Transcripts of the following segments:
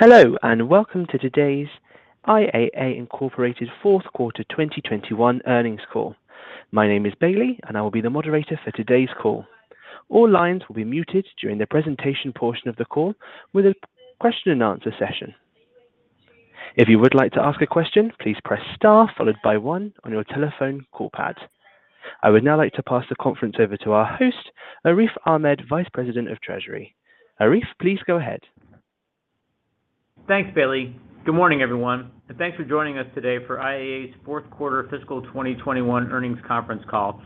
Hello, and welcome to today's IAA, Inc. fourth quarter 2021 earnings call. My name is Bailey, and I will be the moderator for today's call. All lines will be muted during the presentation portion of the call, with a Q&A session. If you would like to ask a question, please press star followed by one on your telephone call pad. I would now like to pass the conference over to our host, Arif Ahmed, Vice President of Treasury. Arif, please go ahead. Thanks, Bailey. Good morning, everyone, and thanks for joining us today for IAA's fourth quarter fiscal 2021 earnings conference call.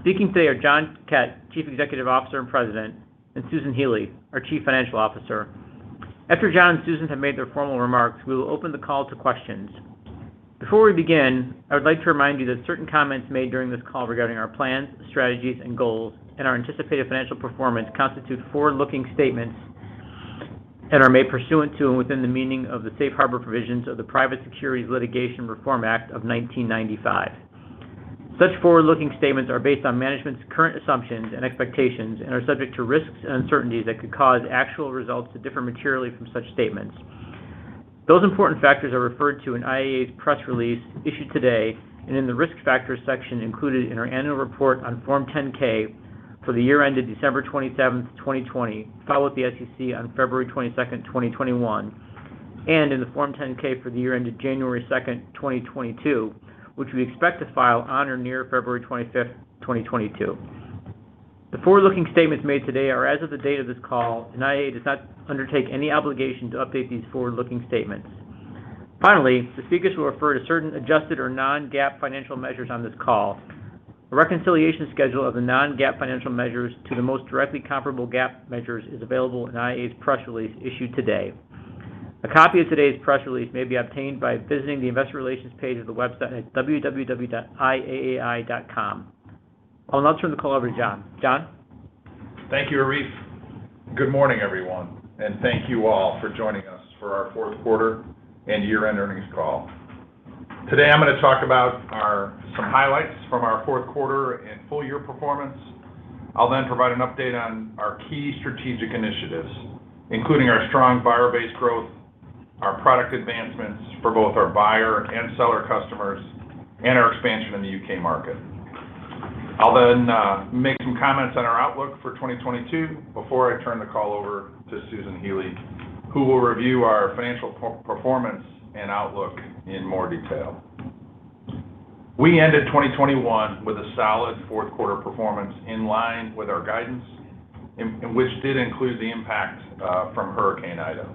Speaking today are John Kett, Chief Executive Officer and President, and Susan Healy, our Chief Financial Officer. After John and Susan have made their formal remarks, we will open the call to questions. Before we begin, I would like to remind you that certain comments made during this call regarding our plans, strategies, and goals, and our anticipated financial performance constitute forward-looking statements and are made pursuant to and within the meaning of the Safe Harbor provisions of the Private Securities Litigation Reform Act of 1995. Such forward-looking statements are based on management's current assumptions and expectations and are subject to risks and uncertainties that could cause actual results to differ materially from such statements. Those important factors are referred to in IAA's press release issued today and in the risk factors section included in our annual report on Form 10-K for the year ended December 27th, 2020, filed with the SEC on February 22nd, 2021, and in the Form 10-K for the year ended January 2nd, 2022, which we expect to file on or near February 25th, 2022. The forward-looking statements made today are as of the date of this call, and IAA does not undertake any obligation to update these forward-looking statements. Finally, the speakers who refer to certain adjusted or non-GAAP financial measures on this call, a reconciliation schedule of the non-GAAP financial measures to the most directly comparable GAAP measures is available in IAA's press release issued today. A copy of today's press release may be obtained by visiting the investor relations page of the website at www.iaai.com. I'll now turn the call over to John. John? Thank you, Arif. Good morning, everyone, and thank you all for joining us for our fourth quarter and year-end earnings call. Today, I'm going to talk about some highlights from our fourth quarter and full-year performance. I'll then provide an update on our key strategic initiatives, including our strong buyer-based growth, our product advancements for both our buyer and seller customers, and our expansion in the U.K. market. I'll then make some comments on our outlook for 2022 before I turn the call over to Susan Healy, who will review our financial performance and outlook in more detail. We ended 2021 with a solid fourth quarter performance in line with our guidance, in which did include the impact from Hurricane Ida.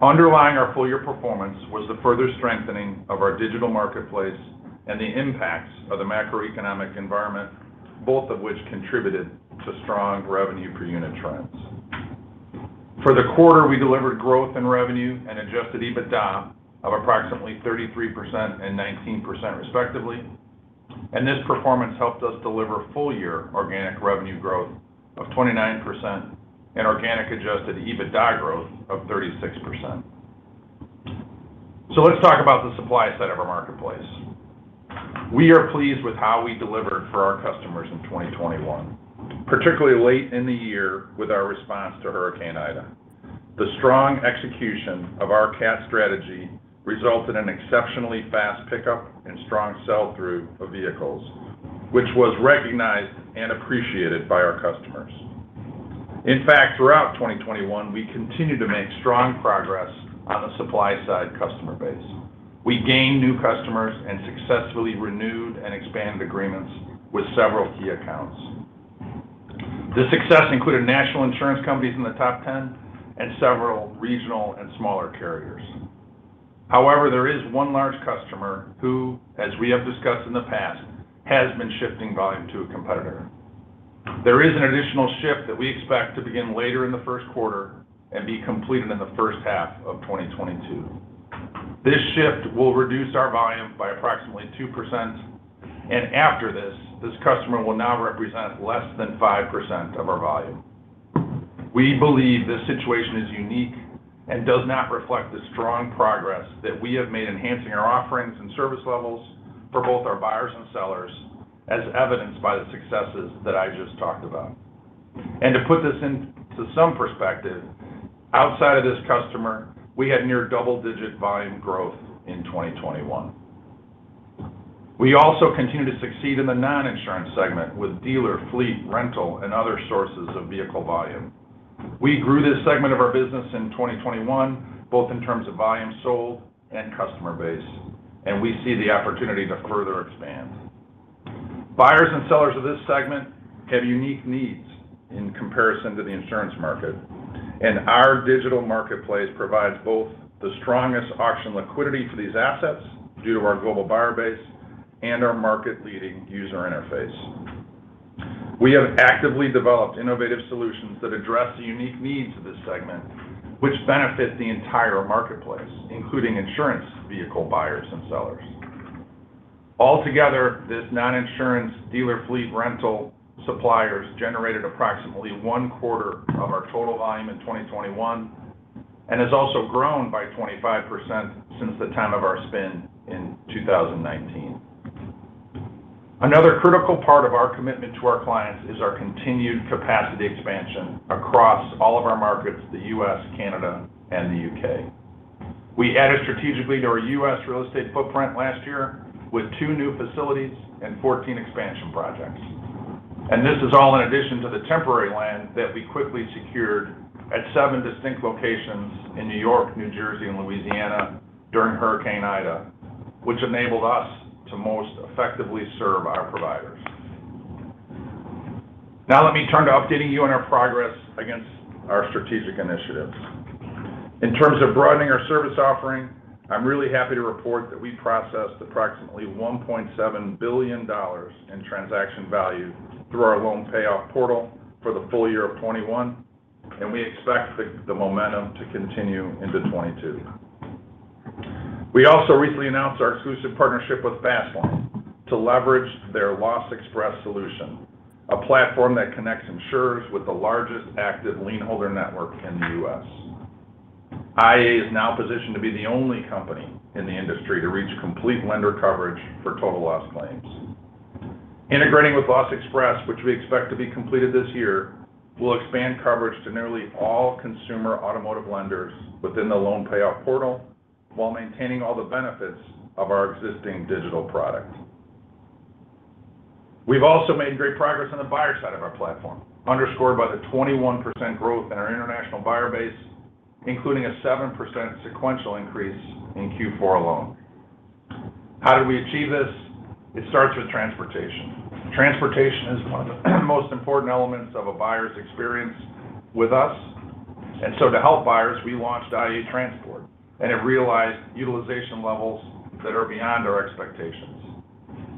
Underlying our full-year performance was the further strengthening of our digital marketplace and the impacts of the macroeconomic environment, both of which contributed to strong revenue per unit trends. For the quarter, we delivered growth in revenue and adjusted EBITDA of approximately 33% and 19% respectively, and this performance helped us deliver full-year organic revenue growth of 29% and organic adjusted EBITDA growth of 36%. Let's talk about the supply side of our marketplace. We are pleased with how we delivered for our customers in 2021, particularly late in the year with our response to Hurricane Ida. The strong execution of our CAT strategy resulted in exceptionally fast pickup and strong sell-through of vehicles, which was recognized and appreciated by our customers. In fact, throughout 2021, we continued to make strong progress on the supply side customer base. We gained new customers and successfully renewed and expanded agreements with several key accounts. This success included national insurance companies in the top 10 and several regional and smaller carriers. However, there is one large customer who, as we have discussed in the past, has been shifting volume to a competitor. There is an additional shift that we expect to begin later in the first quarter and be completed in the first half of 2022. This shift will reduce our volume by approximately 2%, and after this customer will now represent less than 5% of our volume. We believe this situation is unique and does not reflect the strong progress that we have made enhancing our offerings and service levels for both our buyers and sellers, as evidenced by the successes that I just talked about. To put this into some perspective, outside of this customer, we had near double-digit volume growth in 2021. We also continue to succeed in the non-insurance segment with dealer, fleet, rental, and other sources of vehicle volume. We grew this segment of our business in 2021, both in terms of volume sold and customer base, and we see the opportunity to further expand. Buyers and sellers of this segment have unique needs in comparison to the insurance market, and our digital marketplace provides both the strongest auction liquidity for these assets due to our global buyer base and our market-leading user interface. We have actively developed innovative solutions that address the unique needs of this segment, which benefit the entire marketplace, including insurance vehicle buyers and sellers. Altogether, this non-insurance dealer fleet rental suppliers generated approximately one quarter of our total volume in 2021 and has also grown by 25% since the time of our spin in 2019. Another critical part of our commitment to our clients is our continued capacity expansion across all of our markets, the U.S., Canada, and the U.K. We added strategically to our U.S. real estate footprint last year with two new facilities and 14 expansion projects. This is all in addition to the temporary land that we quickly secured at seven distinct locations in New York, New Jersey, and Louisiana during Hurricane Ida, which enabled us to most effectively serve our providers. Now let me turn to updating you on our progress against our strategic initiatives. In terms of broadening our service offering, I'm really happy to report that we processed approximately $1.7 billion in transaction value through our loan payoff portal for the full year of 2021, and we expect the momentum to continue into 2022. We also recently announced our exclusive partnership with Fastlane to leverage their LossExpress solution, a platform that connects insurers with the largest active lienholder network in the U.S. IAA is now positioned to be the only company in the industry to reach complete lender coverage for total loss claims. Integrating with LossExpress, which we expect to be completed this year, will expand coverage to nearly all consumer automotive lenders within the loan payoff portal while maintaining all the benefits of our existing digital product. We've also made great progress on the buyer side of our platform, underscored by the 21% growth in our international buyer base, including a 7% sequential increase in Q4 alone. How did we achieve this? It starts with transportation. Transportation is one of the most important elements of a buyer's experience with us, and so to help buyers, we launched IAA Transport and have realized utilization levels that are beyond our expectations.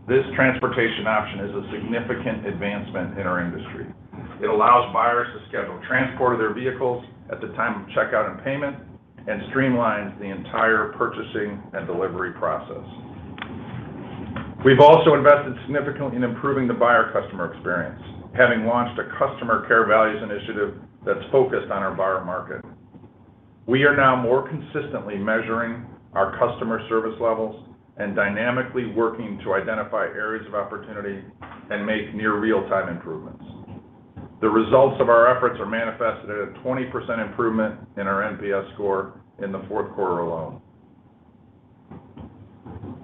This transportation option is a significant advancement in our industry. It allows buyers to schedule transport of their vehicles at the time of checkout and payment and streamlines the entire purchasing and delivery process. We've also invested significantly in improving the buyer customer experience, having launched a customer care values initiative that's focused on our buyer market. We are now more consistently measuring our customer service levels and dynamically working to identify areas of opportunity and make near real-time improvements. The results of our efforts are manifested at a 20% improvement in our NPS score in the fourth quarter alone.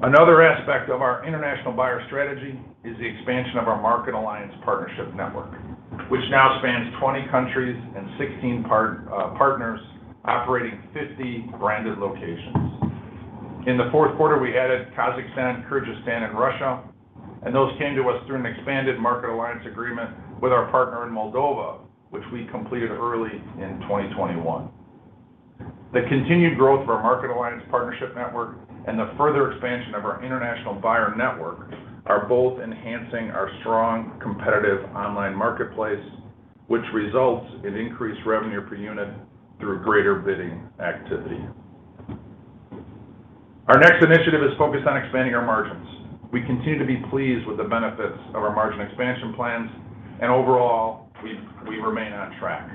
Another aspect of our international buyer strategy is the expansion of our Market Alliance partnership network, which now spans 20 countries and 16 partners operating 50 branded locations. In the fourth quarter, we added Kazakhstan, Kyrgyzstan, and Russia, and those came to us through an expanded Market Alliance agreement with our partner in Moldova, which we completed early in 2021. The continued growth of our market alliance partnership network and the further expansion of our international buyer network are both enhancing our strong competitive online marketplace, which results in increased revenue per unit through greater bidding activity. Our next initiative is focused on expanding our margins. We continue to be pleased with the benefits of our margin expansion plans, and overall, we remain on track.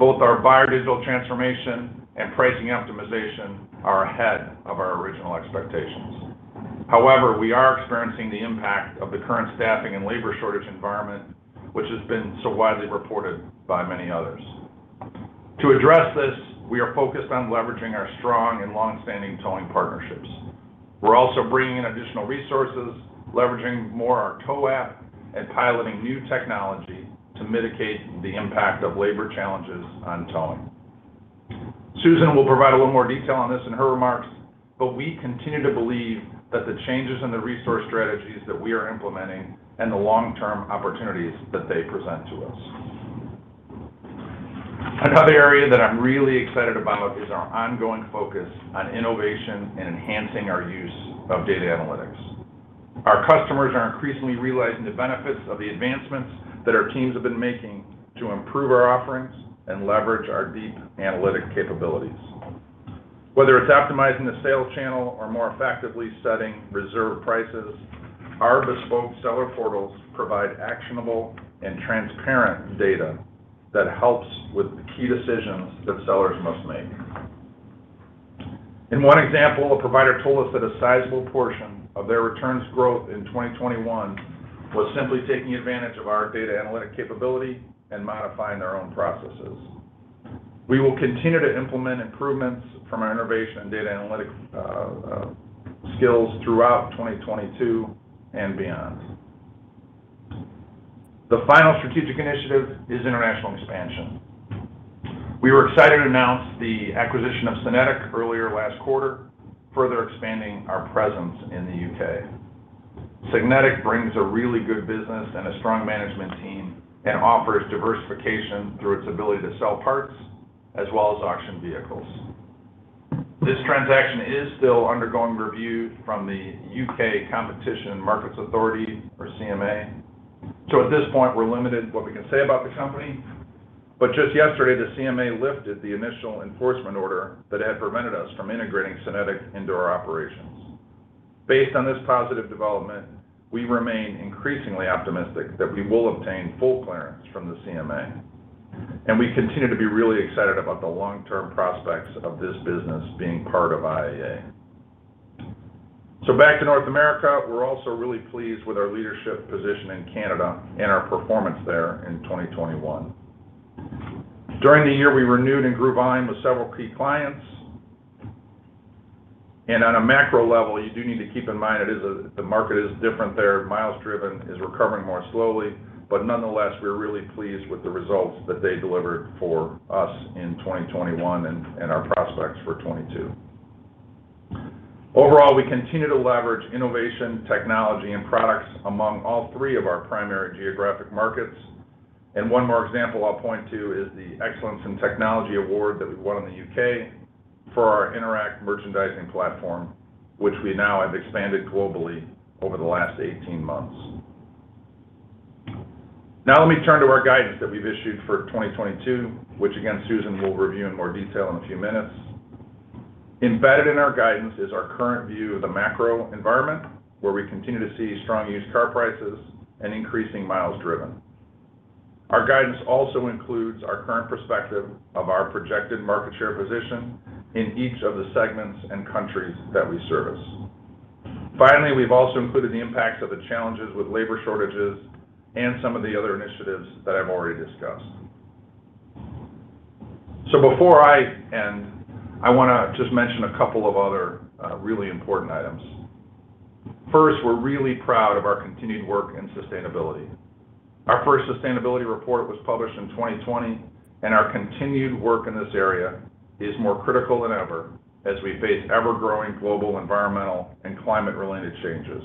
Both our buyer digital transformation and pricing optimization are ahead of our original expectations. However, we are experiencing the impact of the current staffing and labor shortage environment, which has been so widely reported by many others. To address this, we are focused on leveraging our strong and long-standing towing partnerships. We're also bringing in additional resources, leveraging more our Tow app, and piloting new technology to mitigate the impact of labor challenges on towing. Susan will provide a little more detail on this in her remarks, but we continue to believe that the changes in the resource strategies that we are implementing and the long-term opportunities that they present to us. Another area that I'm really excited about is our ongoing focus on innovation and enhancing our use of data analytics. Our customers are increasingly realizing the benefits of the advancements that our teams have been making to improve our offerings and leverage our deep analytic capabilities. Whether it's optimizing the sales channel or more effectively setting reserve prices, our bespoke seller portals provide actionable and transparent data that helps with the key decisions that sellers must make. In one example, a provider told us that a sizable portion of their returns growth in 2021 was simply taking advantage of our data analytic capability and modifying their own processes. We will continue to implement improvements from our innovation and data analytics skills throughout 2022 and beyond. The final strategic initiative is international expansion. We were excited to announce the acquisition of SYNETIQ earlier last quarter, further expanding our presence in the U.K. SYNETIQ brings a really good business and a strong management team and offers diversification through its ability to sell parts as well as auction vehicles. This transaction is still undergoing review from the U.K. Competition and Markets Authority, or CMA. At this point, we're limited in what we can say about the company. Just yesterday, the CMA lifted the initial enforcement order that had prevented us from integrating SYNETIQ into our operations. Based on this positive development, we remain increasingly optimistic that we will obtain full clearance from the CMA. We continue to be really excited about the long-term prospects of this business being part of IAA. Back to North America, we're also really pleased with our leadership position in Canada and our performance there in 2021. During the year, we renewed and grew volume with several key clients. On a macro level, you do need to keep in mind it is the market is different there. Miles driven is recovering more slowly. Nonetheless, we're really pleased with the results that they delivered for us in 2021 and our prospects for 2022. Overall, we continue to leverage innovation, technology, and products among all three of our primary geographic markets. One more example I'll point to is the Excellence in Technology award that we won in the U.K. for our Interact merchandising platform, which we now have expanded globally over the last 18 months. Now let me turn to our guidance that we've issued for 2022, which again, Susan will review in more detail in a few minutes. Embedded in our guidance is our current view of the macro environment, where we continue to see strong used car prices and increasing miles driven. Our guidance also includes our current perspective of our projected market share position in each of the segments and countries that we service. Finally, we've also included the impacts of the challenges with labor shortages and some of the other initiatives that I've already discussed. Before I end, I wanna just mention a couple of other, really important items. First, we're really proud of our continued work in sustainability. Our first sustainability report was published in 2020, and our continued work in this area is more critical than ever as we face ever-growing global environmental and climate-related changes.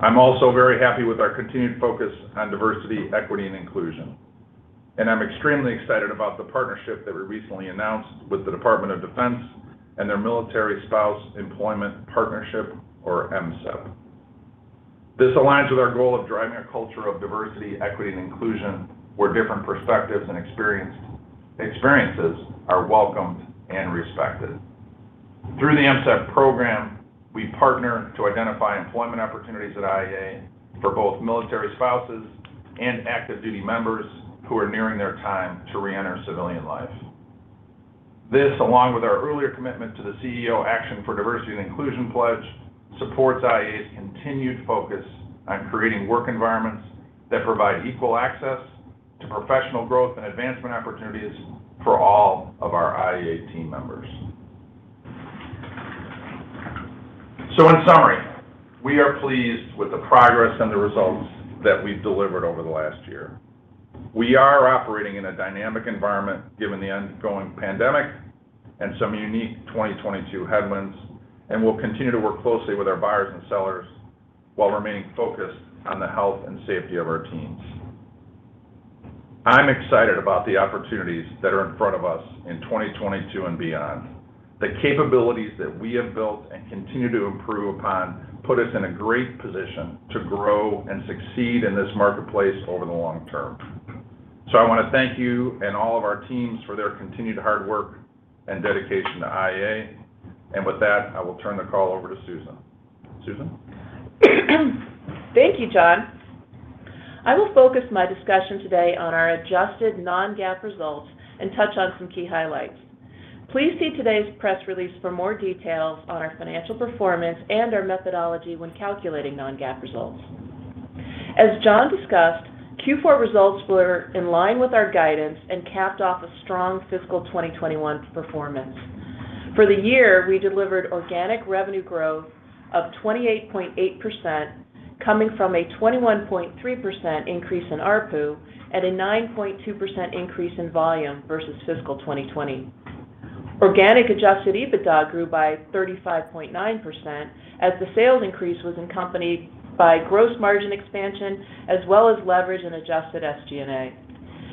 I'm also very happy with our continued focus on diversity, equity, and inclusion, and I'm extremely excited about the partnership that we recently announced with the Department of Defense and their Military Spouse Employment Partnership, or MSEP. This aligns with our goal of driving a culture of diversity, equity, and inclusion, where different perspectives and experiences are welcomed and respected. Through the MSEP program, we partner to identify employment opportunities at IAA for both military spouses and active duty members who are nearing their time to reenter civilian life. This, along with our earlier commitment to the CEO Action for Diversity and Inclusion pledge, supports IAA's continued focus on creating work environments that provide equal access to professional growth and advancement opportunities for all of our IAA team members. In summary, we are pleased with the progress and the results that we've delivered over the last year. We are operating in a dynamic environment, given the ongoing pandemic and some unique 2022 headwinds, and we'll continue to work closely with our buyers and sellers while remaining focused on the health and safety of our teams. I'm excited about the opportunities that are in front of us in 2022 and beyond. The capabilities that we have built and continue to improve upon put us in a great position to grow and succeed in this marketplace over the long term. I wanna thank you and all of our teams for their continued hard work and dedication to IAA. With that, I will turn the call over to Susan. Susan? Thank you, John. I will focus my discussion today on our adjusted non-GAAP results and touch on some key highlights. Please see today's press release for more details on our financial performance and our methodology when calculating non-GAAP results. As John discussed, Q4 results were in line with our guidance and capped off a strong fiscal 2021 performance. For the year, we delivered organic revenue growth of 28.8%, coming from a 21.3% increase in ARPU and a 9.2% increase in volume versus fiscal 2020. Organic adjusted EBITDA grew by 35.9%, as the sales increase was accompanied by gross margin expansion as well as leverage in adjusted SG&A.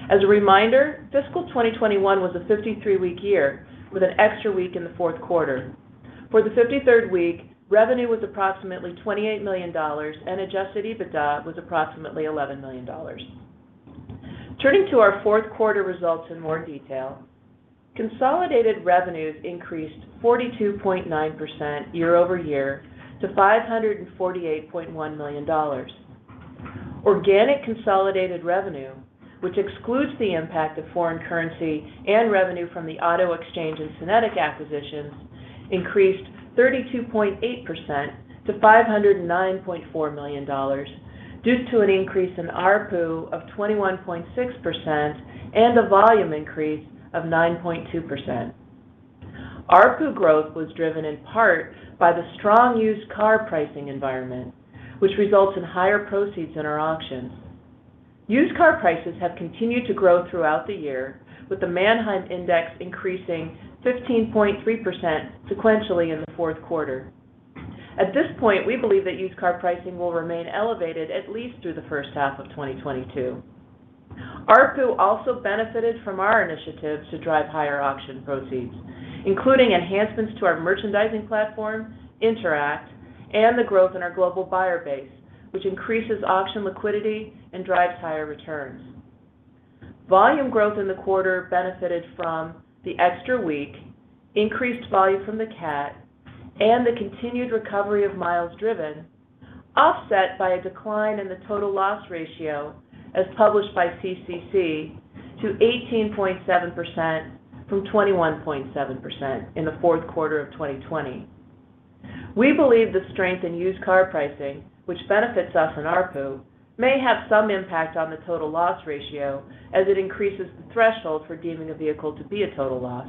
As a reminder, fiscal 2021 was a 53-week year with an extra week in the fourth quarter. For the 53rd week, revenue was approximately $28 million and adjusted EBITDA was approximately $11 million. Turning to our fourth quarter results in more detail, consolidated revenues increased 42.9% year over year to $548.1 million. Organic consolidated revenue, which excludes the impact of foreign currency and revenue from the Auto Exchange and SYNETIQ acquisitions, increased 32.8% to $509.4 million due to an increase in ARPU of 21.6% and a volume increase of 9.2%. ARPU growth was driven in part by the strong used car pricing environment, which results in higher proceeds in our auctions. Used car prices have continued to grow throughout the year, with the Manheim Index increasing 15.3% sequentially in the fourth quarter. At this point, we believe that used car pricing will remain elevated at least through the first half of 2022. ARPU also benefited from our initiatives to drive higher auction proceeds, including enhancements to our merchandising platform, Interact, and the growth in our global buyer base, which increases auction liquidity and drives higher returns. Volume growth in the quarter benefited from the extra week, increased volume from the CAT, and the continued recovery of miles driven, offset by a decline in the total loss ratio as published by CCC to 18.7% from 21.7% in the fourth quarter of 2020. We believe the strength in used car pricing, which benefits us in ARPU, may have some impact on the total loss ratio as it increases the threshold for deeming a vehicle to be a total loss.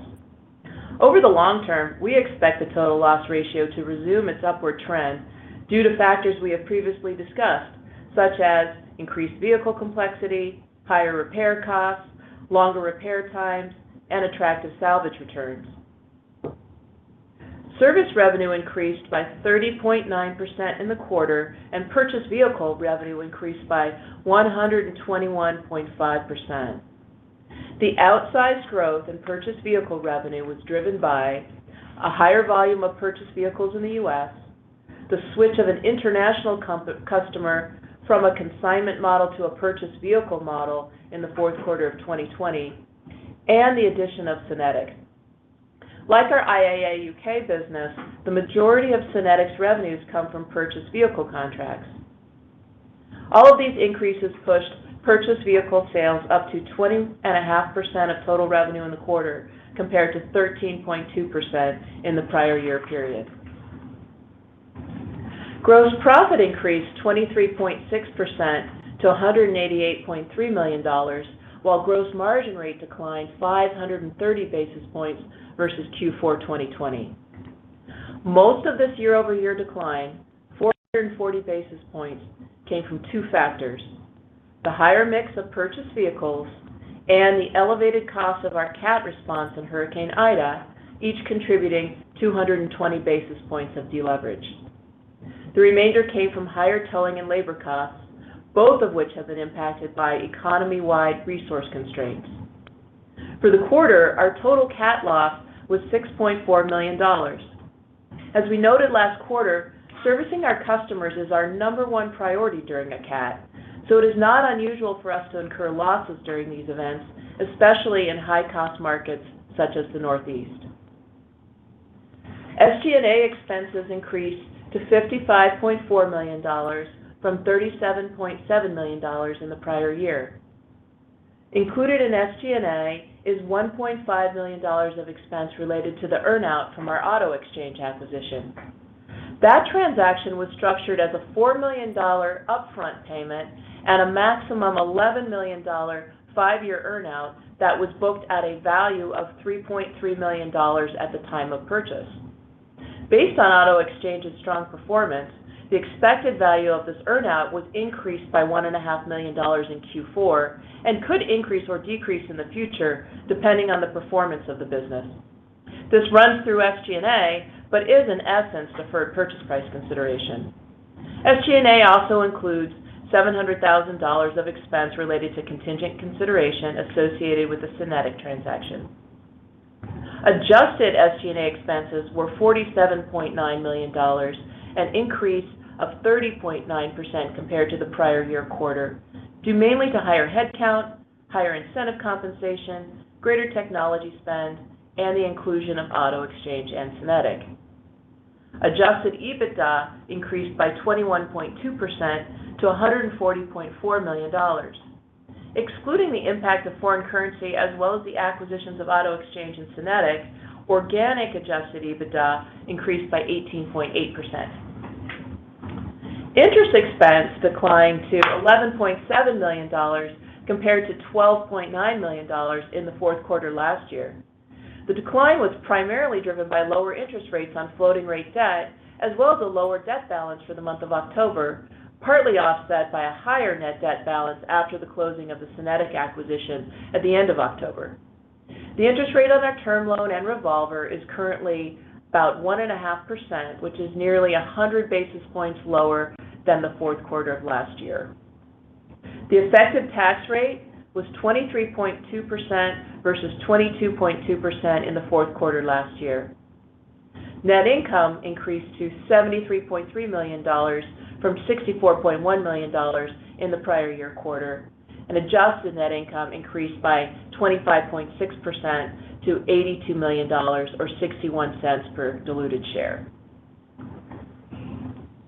Over the long term, we expect the total loss ratio to resume its upward trend due to factors we have previously discussed, such as increased vehicle complexity, higher repair costs, longer repair times, and attractive salvage returns. Service revenue increased by 30.9% in the quarter, and purchased vehicle revenue increased by 121.5%. The outsized growth in purchased vehicle revenue was driven by a higher volume of purchased vehicles in the U.S., the switch of an international customer from a consignment model to a purchased vehicle model in the fourth quarter of 2020, and the addition of SYNETIQ. Like our IAA U.K. business, the majority of SYNETIQ's revenues come from purchased vehicle contracts. All of these increases pushed purchased vehicle sales up to 20.5% of total revenue in the quarter, compared to 13.2% in the prior year period. Gross profit increased 23.6% to $188.3 million, while gross margin rate declined 530 basis points versus Q4 2020. Most of this year-over-year decline, 440 basis points, came from two factors, the higher mix of purchased vehicles and the elevated cost of our CAT response in Hurricane Ida, each contributing 220 basis points of deleverage. The remainder came from higher towing and labor costs, both of which have been impacted by economy-wide resource constraints. For the quarter, our total CAT loss was $6.4 million. As we noted last quarter, servicing our customers is our number one priority during a CAT, so it is not unusual for us to incur losses during these events, especially in high-cost markets such as the Northeast. SG&A expenses increased to $55.4 million from $37.7 million in the prior year. Included in SG&A is $1.5 million of expense related to the earn-out from our Auto Exchange acquisition. That transaction was structured as a $4 million upfront payment and a maximum $11 million five-year earn-out that was booked at a value of $3.3 million at the time of purchase. Based on Auto Exchange's strong performance, the expected value of this earn-out was increased by $1.5 million In Q4 and could increase or decrease in the future depending on the performance of the business. This runs through SG&A but is in essence deferred purchase price consideration. SG&A also includes $700,000 of expense related to contingent consideration associated with the SYNETIQ transaction. Adjusted SG&A expenses were $47.9 million, an increase of 30.9% compared to the prior-year quarter due mainly to higher headcount, higher incentive compensation, greater technology spend, and the inclusion of Auto Exchange and SYNETIQ. Adjusted EBITDA increased by 21.2% to $140.4 million. Excluding the impact of foreign currency as well as the acquisitions of Auto Exchange and SYNETIQ, organic adjusted EBITDA increased by 18.8%. Interest expense declined to $11.7 million compared to $12.9 million in the fourth quarter last year. The decline was primarily driven by lower interest rates on floating rate debt as well as a lower debt balance for the month of October, partly offset by a higher net debt balance after the closing of the SYNETIQ acquisition at the end of October. The interest rate on our term loan and revolver is currently about 1.5%, which is nearly 100 basis points lower than the fourth quarter of last year. The effective tax rate was 23.2% versus 22.2% in the fourth quarter last year. Net income increased to $73.3 million from $64.1 million in the prior year quarter, and adjusted net income increased by 25.6% to $82 million or $0.61 per diluted share.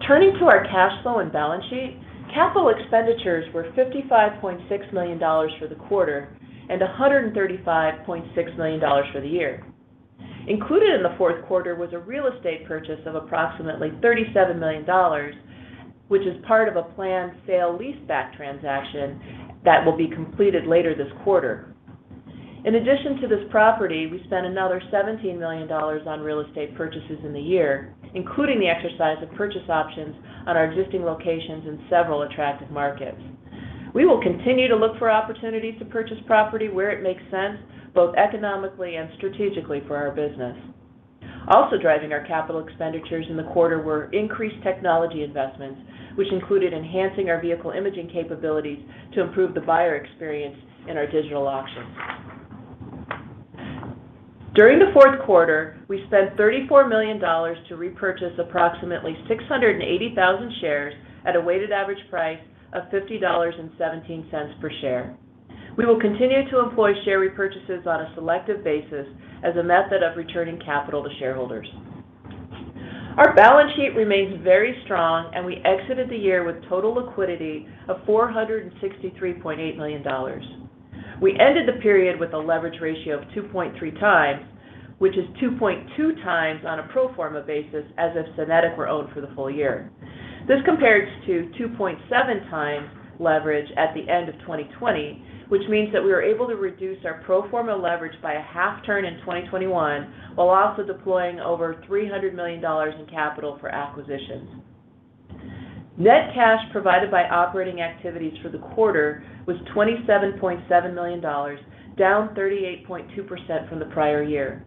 Turning to our cash flow and balance sheet, capital expenditures were $55.6 million for the quarter and $135.6 million for the year. Included in the fourth quarter was a real estate purchase of approximately $37 million, which is part of a planned sale-leaseback transaction that will be completed later this quarter. In addition to this property, we spent another $17 million on real estate purchases in the year, including the exercise of purchase options on our existing locations in several attractive markets. We will continue to look for opportunities to purchase property where it makes sense, both economically and strategically for our business. Also driving our capital expenditures in the quarter were increased technology investments, which included enhancing our vehicle imaging capabilities to improve the buyer experience in our digital auctions. During the fourth quarter, we spent $34 million to repurchase approximately 680,000 shares at a weighted average price of $50.17 per share. We will continue to employ share repurchases on a selective basis as a method of returning capital to shareholders. Our balance sheet remains very strong, and we exited the year with total liquidity of $463.8 million. We ended the period with a leverage ratio of 2.3x, which is 2.2x on a pro forma basis as if SYNETIQ were owned for the full year. This compares to 2.7x leverage at the end of 2020, which means that we were able to reduce our pro forma leverage by a half turn in 2021, while also deploying over $300 million in capital for acquisitions. Net cash provided by operating activities for the quarter was $27.7 million, down 38.2% from the prior year.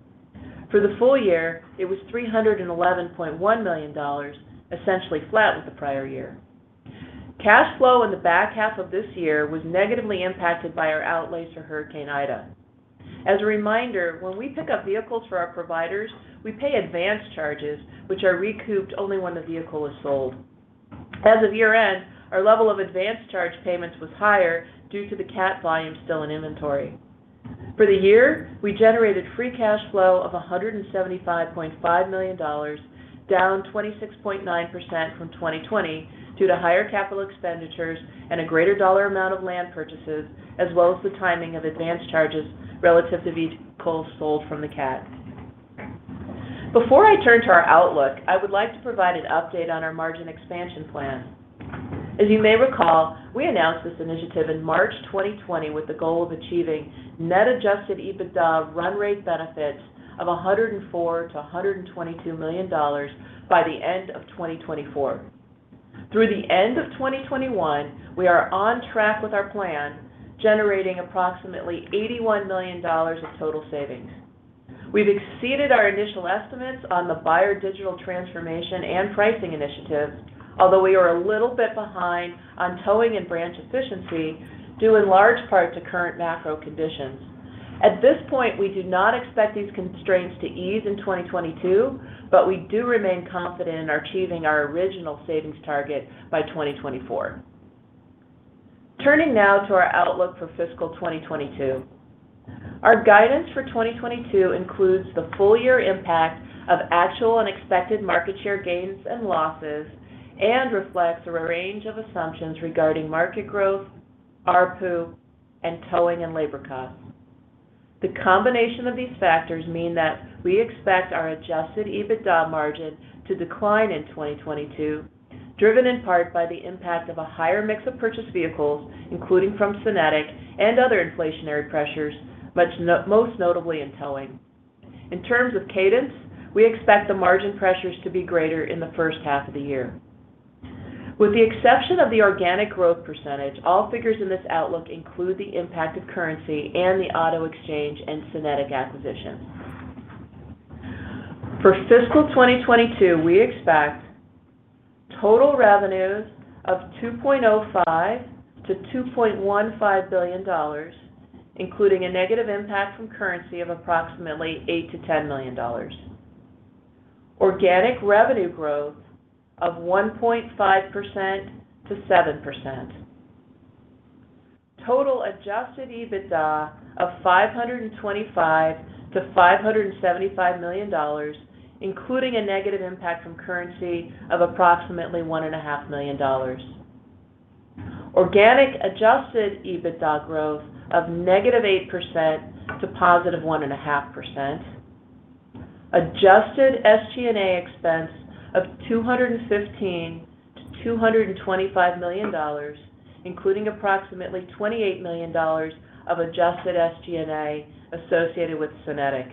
For the full year, it was $311.1 million, essentially flat with the prior year. Cash flow in the back half of this year was negatively impacted by our outlays for Hurricane Ida. As a reminder, when we pick up vehicles for our providers, we pay advance charges, which are recouped only when the vehicle is sold. As of year-end, our level of advance charge payments was higher due to the CAT volume still in inventory. For the year, we generated free cash flow of $175.5 million, down 26.9% from 2020 due to higher capital expenditures and a greater dollar amount of land purchases, as well as the timing of advance charges relative to vehicles sold from the CAT. Before I turn to our outlook, I would like to provide an update on our margin expansion plan. As you may recall, we announced this initiative in March 2020 with the goal of achieving net adjusted EBITDA run rate benefits of $104 million-$122 million by the end of 2024. Through the end of 2021, we are on track with our plan, generating approximately $81 million in total savings. We've exceeded our initial estimates on the buyer digital transformation and pricing initiatives, although we are a little bit behind on towing and branch efficiency, due in large part to current macro conditions. At this point, we do not expect these constraints to ease in 2022, but we do remain confident in achieving our original savings target by 2024. Turning now to our outlook for fiscal 2022. Our guidance for 2022 includes the full year impact of actual and expected market share gains and losses and reflects a range of assumptions regarding market growth, ARPU, and towing and labor costs. The combination of these factors mean that we expect our adjusted EBITDA margin to decline in 2022, driven in part by the impact of a higher mix of purchased vehicles, including from SYNETIQ and other inflationary pressures, much, most notably in towing. In terms of cadence, we expect the margin pressures to be greater in the first half of the year. With the exception of the organic growth percentage, all figures in this outlook include the impact of currency and the Auto Exchange and SYNETIQ acquisitions. For fiscal 2022, we expect total revenues of $2.05 billion-$2.15 billion, including a negative impact from currency of approximately $8 million-$10 million. Organic revenue growth of 1.5%-7%. Total adjusted EBITDA of $525 million-$575 million, including a negative impact from currency of approximately $1.5 million. Organic adjusted EBITDA growth of -8% to +1.5%. Adjusted SG&A expense of $215 million-$225 million, including approximately $28 million of adjusted SG&A associated with SYNETIQ.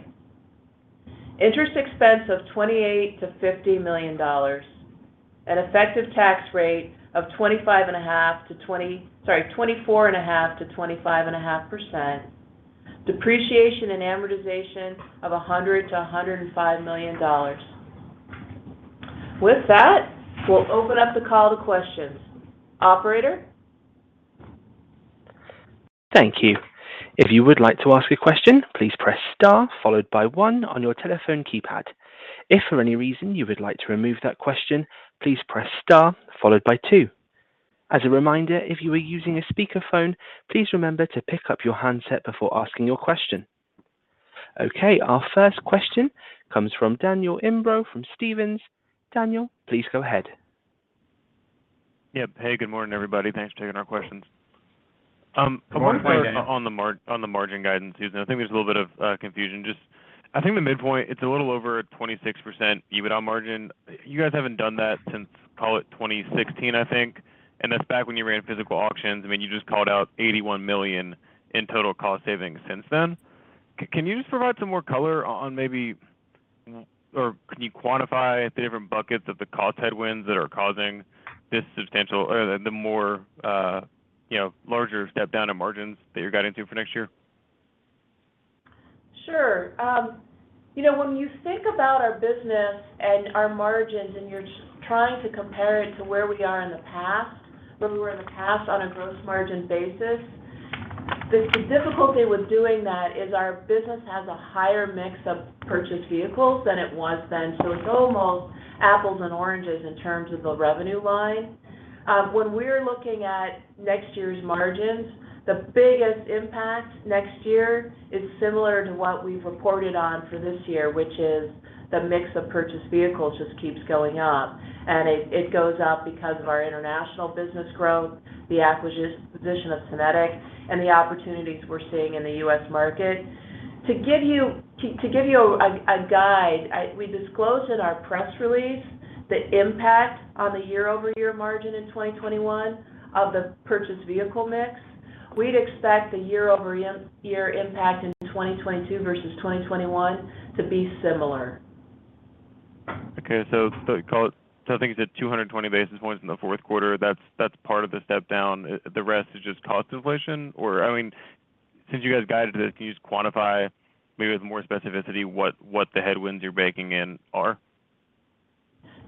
Interest expense of $28 million-$50 million. An effective tax rate of 24.5%-25.5%. Depreciation and amortization of $100 million-$105 million. With that, we'll open up the call to questions. Operator? Okay. Our first question comes from Daniel Imbro from Stephens. Daniel, please go ahead. Yeah. Hey, good morning, everybody. Thanks for taking our questions. On the margin guidance, Susan, I think there's a little bit of confusion. Just I think the midpoint, it's a little over 26% EBITDA margin. You guys haven't done that since, call it, 2016, I think, and that's back when you ran physical auctions. I mean, you just called out $81 million in total cost savings since then. Can you just provide some more color on maybe or can you quantify the different buckets of the cost headwinds that are causing this substantial or the more larger step down in margins that you're guiding to for next year? Sure. You know, when you think about our business and our margins, and you're trying to compare it to where we are in the past, where we were in the past on a gross margin basis, the difficulty with doing that is our business has a higher mix of purchased vehicles than it was then. It's almost apples and oranges in terms of the revenue line. When we're looking at next year's margins, the biggest impact next year is similar to what we've reported on for this year, which is the mix of purchased vehicles just keeps going up. It goes up because of our international business growth, the acquisition of SYNETIQ, and the opportunities we're seeing in the U.S. market. To give you a guide, we disclose in our press release the impact on the year-over-year margin in 2021 of the purchased vehicle mix. We'd expect the year-over-year impact in 2022 versus 2021 to be similar. Okay. I think you said 220 basis points in the fourth quarter. That's part of the step down. The rest is just cost inflation? I mean, since you guys guided it, can you just quantify maybe with more specificity what the headwinds you're baking in are?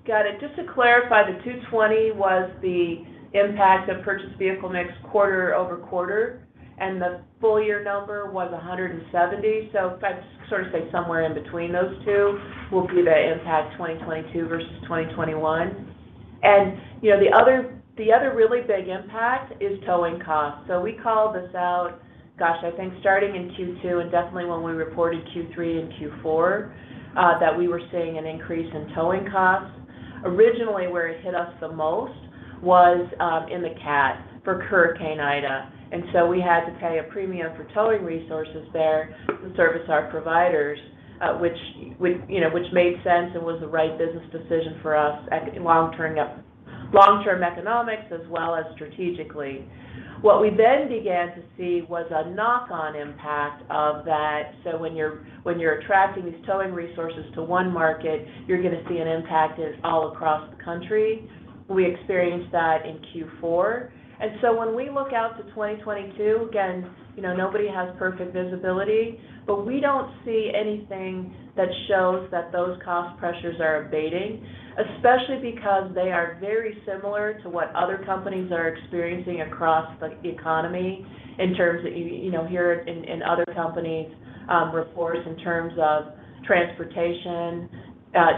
Got it. Just to clarify, the 220 basis points was the impact of purchased vehicle mix quarter-over-quarter, and the full year number was 170 basis points. If I sort of say somewhere in between those two will be the impact 2022 versus 2021. You know, the other really big impact is towing costs. We called this out, I think starting in Q2, and definitely when we reported Q3 and Q4, that we were seeing an increase in towing costs. Originally, where it hit us the most was in the CAT for Hurricane Ida, and we had to pay a premium for towing resources there to service our providers, which you know made sense and was the right business decision for us long-term economics as well as strategically. What we then began to see was a knock-on impact of that. When you're attracting these towing resources to one market, you're gonna see an impact all across the country. We experienced that in Q4. When we look out to 2022, again, you know, nobody has perfect visibility, but we don't see anything that shows that those cost pressures are abating, especially because they are very similar to what other companies are experiencing across the economy in terms of, you know, here in other companies' reports in terms of transportation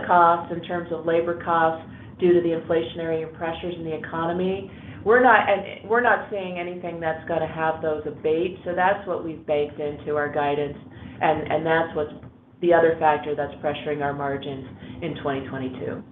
costs, in terms of labor costs due to the inflationary pressures in the economy. We're not seeing anything that's gonna have those abate, so that's what we've baked into our guidance, and that's the other factor that's pressuring our margins in 2022.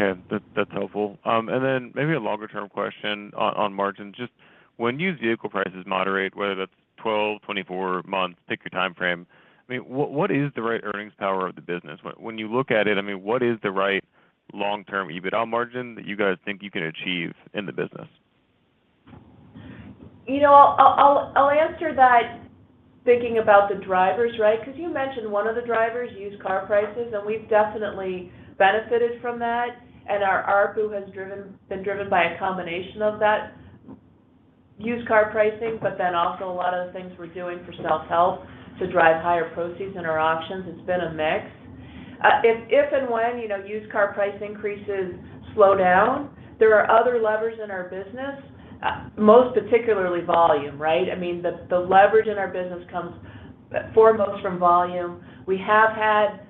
Okay. That's helpful. Maybe a long-term question on margins. Just when used vehicle prices moderate, whether that's 12, 24 months, pick your timeframe, I mean, what is the right earnings power of the business? When you look at it, I mean, what is the right long-term EBITDA margin that you guys think you can achieve in the business? You know, I'll answer that thinking about the drivers, right? Because you mentioned one of the drivers, used car prices, and we've definitely benefited from that. Our ARPU has been driven by a combination of that used car pricing, but then also a lot of the things we're doing for self-help to drive higher proceeds in our auctions. It's been a mix. If and when, you know, used car price increases slow down, there are other levers in our business, most particularly volume, right? I mean, the leverage in our business comes foremost from volume. We have had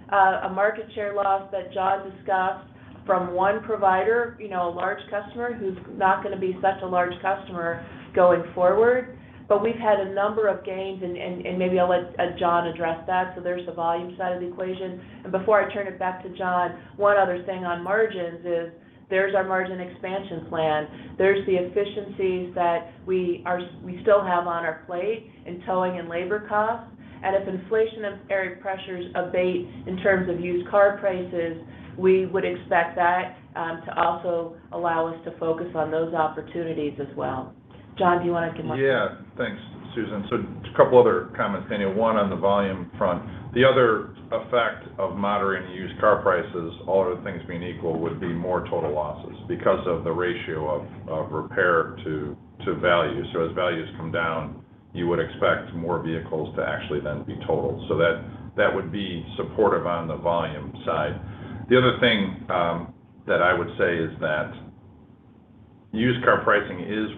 a market share loss that John discussed from one provider, you know, a large customer who's not gonna be such a large customer going forward. We've had a number of gains, and maybe I'll let John address that. There's the volume side of the equation. Before I turn it back to John, one other thing on margins is there's our margin expansion plan. There's the efficiencies that we still have on our plate in towing and labor costs. If inflationary pressures abate in terms of used car prices, we would expect that to also allow us to focus on those opportunities as well. John, do you want to? Yeah. Thanks, Susan. Just a couple other comments, Daniel. One on the volume front. The other effect of moderating used car prices, all other things being equal, would be more total losses because of the ratio of repair to value. As values come down, you would expect more vehicles to actually then be totaled. That would be supportive on the volume side. The other thing that I would say is that used car pricing is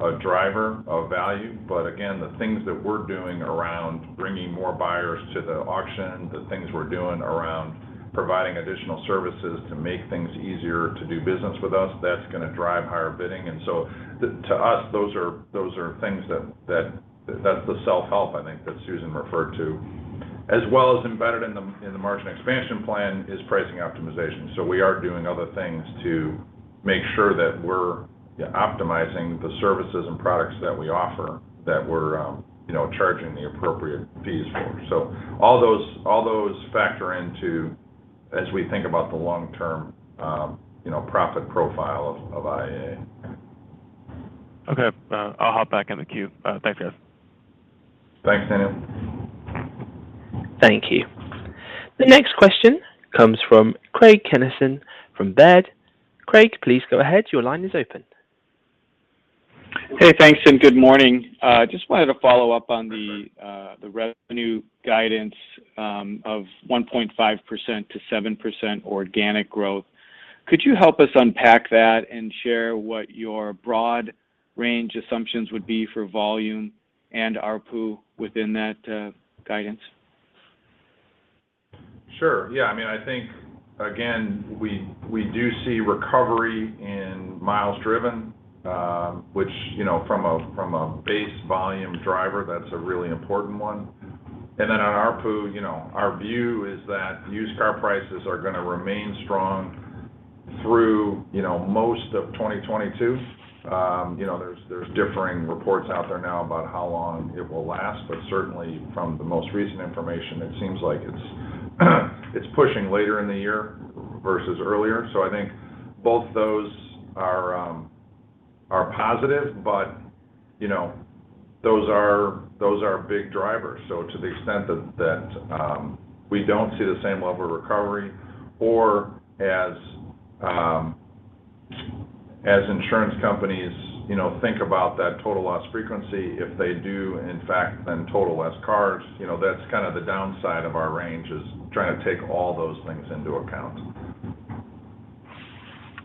a driver of value, but again, the things that we're doing around bringing more buyers to the auction, the things we're doing around providing additional services to make things easier to do business with us, that's gonna drive higher bidding. To us, those are things that. That's the self-help, I think, that Susan referred to. As well as embedded in the margin expansion plan is pricing optimization. We are doing other things to make sure that we're optimizing the services and products that we offer, that we're, you know, charging the appropriate fees for. All those factor into as we think about the long-term, you know, profit profile of IAA. Okay. I'll hop back in the queue. Thanks, guys. Thanks, Daniel. Thank you. The next question comes from Craig Kennison from Baird. Craig, please go ahead. Your line is open. Hey, thanks, and good morning. Just wanted to follow up on the revenue guidance of 1.5%-7% organic growth. Could you help us unpack that and share what your broad range assumptions would be for volume and ARPU within that guidance? Sure. Yeah. I mean, I think again, we do see recovery in miles driven, which, you know, from a base volume driver, that's a really important one. Then on ARPU, you know, our view is that used car prices are gonna remain strong through, you know, most of 2022. You know, there's differing reports out there now about how long it will last. Certainly from the most recent information, it seems like it's pushing later in the year versus earlier. I think both those are positive. You know, those are big drivers. To the extent that we don't see the same level of recovery or as insurance companies, you know, think about that total loss frequency. If they do in fact then total less cars, you know, that's kind of the downside of our range is trying to take all those things into account.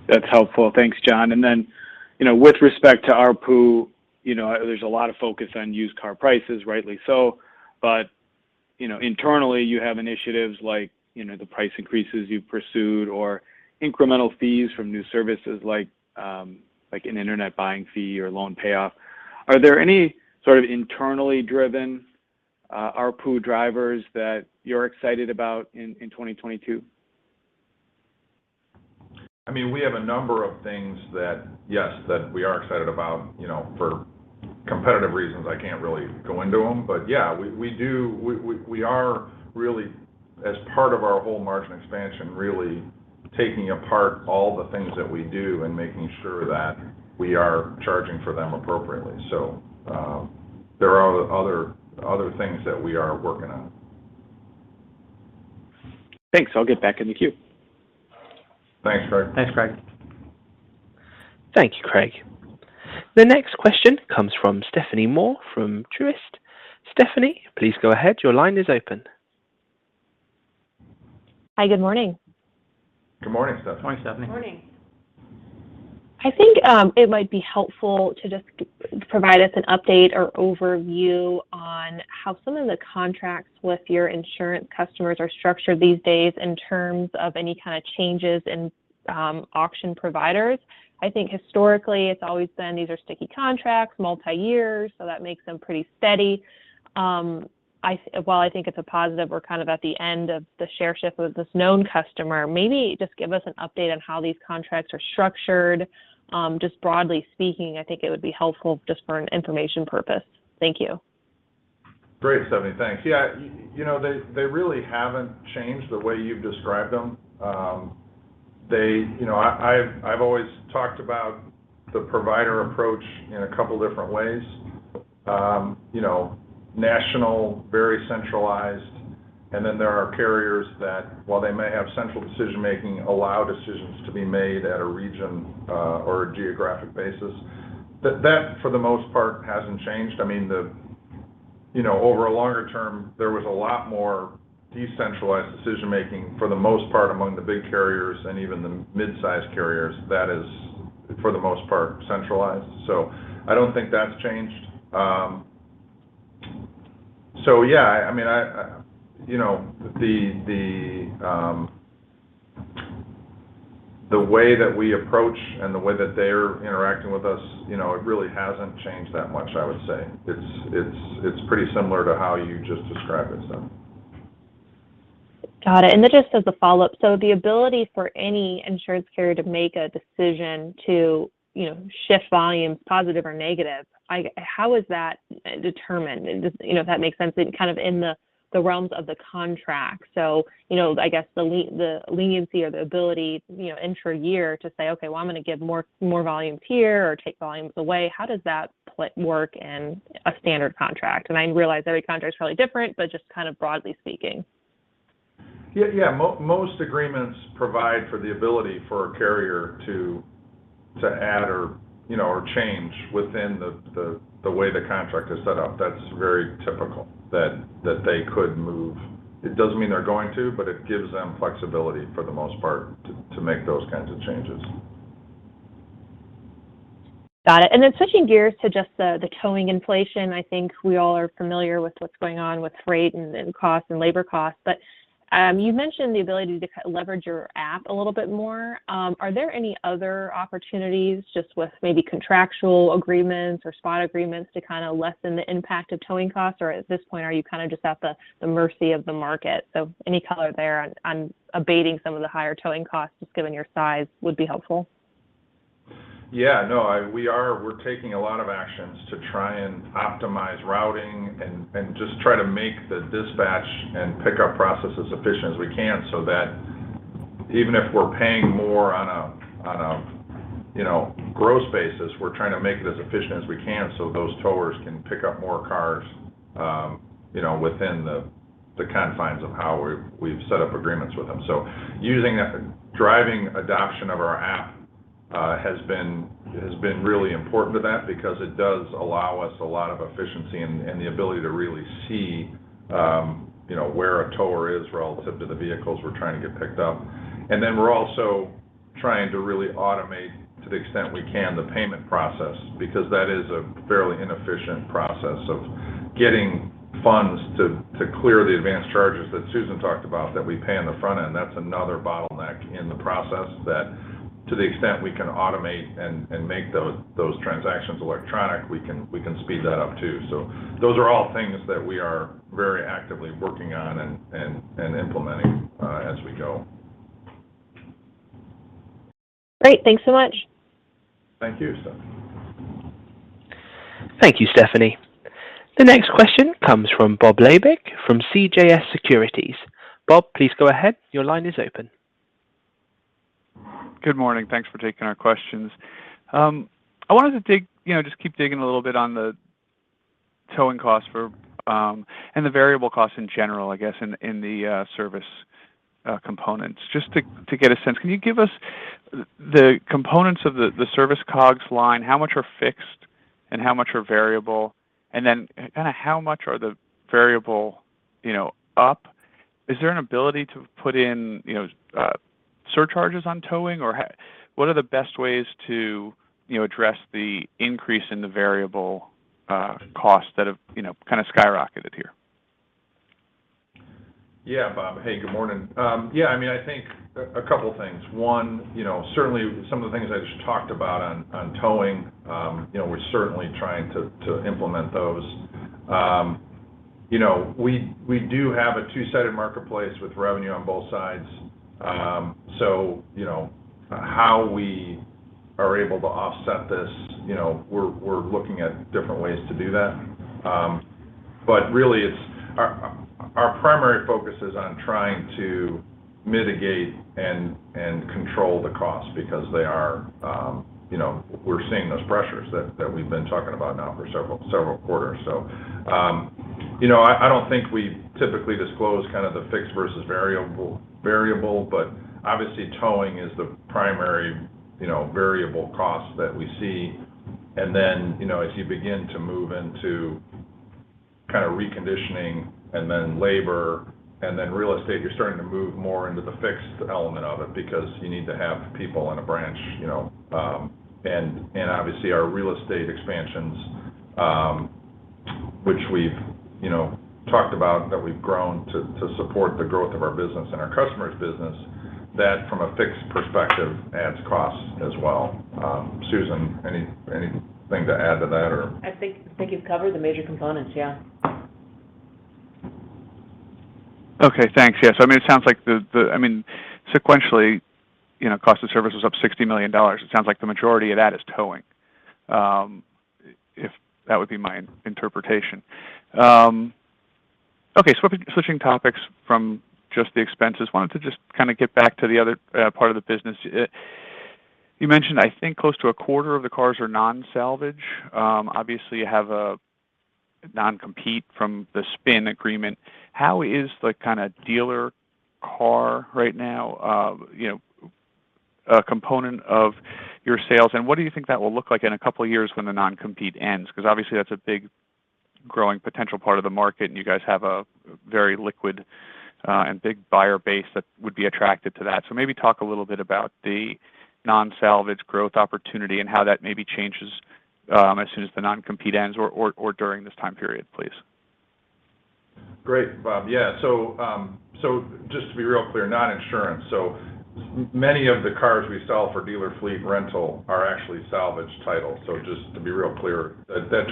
That's helpful. Thanks, John. You know, with respect to ARPU, you know, there's a lot of focus on used car prices, rightly so. You know, internally you have initiatives like, you know, the price increases you've pursued or incremental fees from new services like an internet buying fee or loan payoff. Are there any sort of internally driven ARPU drivers that you're excited about in 2022? I mean, we have a number of things that, yes, we are excited about. You know, for competitive reasons, I can't really go into them. Yeah, we are really as part of our whole margin expansion, really taking apart all the things that we do and making sure that we are charging for them appropriately. There are other things that we are working on. Thanks. I'll get back in the queue. Thanks, Craig. Thanks, Craig. Thank you, Craig. The next question comes from Stephanie Moore from Truist. Stephanie, please go ahead. Your line is open. Hi. Good morning. Good morning, Stephanie. Morning, Stephanie. Morning. I think it might be helpful to just provide us an update or overview on how some of the contracts with your insurance customers are structured these days in terms of any kind of changes in auction providers. I think historically it's always been these are sticky contracts, multi-year, so that makes them pretty steady. While I think it's a positive we're kind of at the end of the share shift with this known customer, maybe just give us an update on how these contracts are structured. Just broadly speaking, I think it would be helpful just for an information purpose. Thank you. Great, Stephanie. Thanks. Yeah, you know, they really haven't changed the way you've described them. You know, I've always talked about the provider approach in a couple different ways. You know, national, very centralized, and then there are carriers that while they may have central decision-making, allow decisions to be made at a region or a geographic basis. That for the most part hasn't changed. I mean, you know, over a longer term, there was a lot more decentralized decision-making for the most part among the big carriers and even the mid-sized carriers. That is for the most part, centralized. I don't think that's changed. Yeah. I mean, you know, the way that we approach and the way that they're interacting with us, you know, it really hasn't changed that much, I would say. It's pretty similar to how you just described it, so. Got it. Just as a follow-up, so the ability for any insurance carrier to make a decision to, you know, shift volumes positive or negative, how is that determined? Just, you know, if that makes sense, kind of in the realms of the contract. You know, I guess the leniency or the ability, you know, intra-year to say, "Okay, well, I'm gonna give more volumes here or take volumes away," how does that work in a standard contract? I realize every contract is probably different, but just kind of broadly speaking. Yeah, yeah. Most agreements provide for the ability for a carrier to add or, you know, or change within the way the contract is set up. That's very typical that they could move. It doesn't mean they're going to, but it gives them flexibility for the most part to make those kinds of changes. Got it. Switching gears to just the towing inflation, I think we all are familiar with what's going on with freight and costs and labor costs, but you mentioned the ability to leverage your app a little bit more. Are there any other opportunities just with maybe contractual agreements or spot agreements to kinda lessen the impact of towing costs? Or at this point, are you kind of just at the mercy of the market? Any color there on abating some of the higher towing costs, just given your size, would be helpful. We are. We're taking a lot of actions to try and optimize routing and just try to make the dispatch and pickup process as efficient as we can so that even if we're paying more on a you know gross basis, we're trying to make it as efficient as we can so those towers can pick up more cars, you know, within the confines of how we've set up agreements with them. So using that driving adoption of our app has been really important to that because it does allow us a lot of efficiency and the ability to really see, you know, where a tower is relative to the vehicles we're trying to get picked up. We're also trying to really automate to the extent we can the payment process, because that is a fairly inefficient process of getting funds to clear the advanced charges that Susan talked about that we pay on the front end. That's another bottleneck in the process that to the extent we can automate and make those transactions electronic, we can speed that up too. Those are all things that we are very actively working on and implementing as we go. Great. Thanks so much. Thank you, Stephanie. Thank you, Stephanie. The next question comes from Bob Labick from CJS Securities. Bob, please go ahead. Your line is open. Good morning. Thanks for taking our questions. I wanted to you know, just keep digging a little bit on the towing costs for and the variable costs in general, I guess in the service components. Just to get a sense, can you give us the components of the service COGS line, how much are fixed and how much are variable? And then kinda how much are the variable you know up? Is there an ability to put in you know surcharges on towing? Or what are the best ways to you know address the increase in the variable costs that have you know kind of skyrocketed here? Yeah, Bob. Hey, good morning. I mean, I think a couple things. One, you know, certainly some of the things I just talked about on towing, you know, we're certainly trying to implement those. You know, we do have a two-sided marketplace with revenue on both sides. So you know, how we are able to offset this, you know, we're looking at different ways to do that. But really it's our primary focus is on trying to mitigate and control the costs because they are, you know, we're seeing those pressures that we've been talking about now for several quarters. So, you know, I don't think we typically disclose kind of the fixed versus variable, but obviously towing is the primary, you know, variable cost that we see. You know, as you begin to move into kind of reconditioning and then labor and then real estate, you're starting to move more into the fixed element of it because you need to have people in a branch, you know, and obviously our real estate expansions, which we've, you know, talked about that we've grown to support the growth of our business and our customers' business, that from a fixed perspective adds costs as well. Susan, anything to add to that or? I think you've covered the major components. Yeah. Okay, thanks. Yes, I mean, it sounds like I mean, sequentially, you know, cost of service was up $60 million. It sounds like the majority of that is towing. If that would be my interpretation. Okay. Switching topics from just the expenses. Wanted to just kind of get back to the other part of the business. You mentioned, I think, close to a quarter of the cars are non-salvage. Obviously, you have a non-compete from the spin agreement. How is the kind of dealer car right now, you know, a component of your sales, and what do you think that will look like in a couple of years when the non-compete ends? Because obviously, that's a big growing potential part of the market, and you guys have a very liquid and big buyer base that would be attracted to that. Maybe talk a little bit about the non-salvage growth opportunity and how that maybe changes as soon as the non-compete ends or during this time period, please. Great, Bob. Yeah. Just to be real clear, non-insurance. Many of the cars we sell for dealer fleet rental are actually salvage title. Just to be real clear, that 25%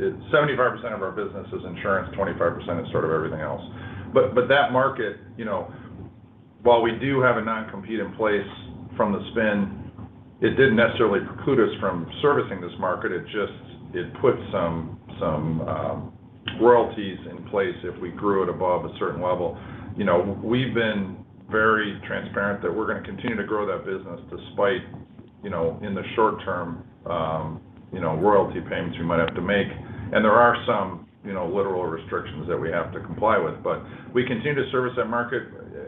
is 75% of our business is insurance, 25% is sort of everything else. But that market, you know, while we do have a non-compete in place from the spin, it didn't necessarily preclude us from servicing this market. It just put some royalties in place if we grew it above a certain level. You know, we've been very transparent that we're gonna continue to grow that business despite, you know, in the short term, royalty payments we might have to make. There are some, you know, literal restrictions that we have to comply with, but we continue to service that market.